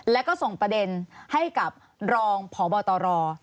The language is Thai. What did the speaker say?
แล้วก็ส่งประเด็นให้กับรองพบตร